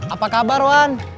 apa kabar wan